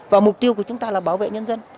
và mục tiêu của chúng ta là bảo vệ nhân dân